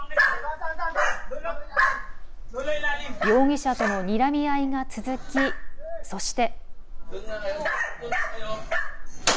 容疑者とのにらみ合いが続きそして。